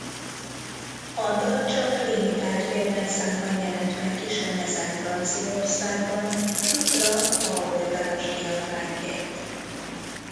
A dal csak limitált példányszámban jelent meg kislemezen Franciaországban dupla A oldalas kiadványként.